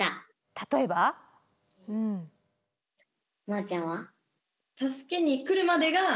例えば？まーちゃんは？